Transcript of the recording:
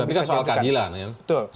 ini berarti kan soal keadilan ya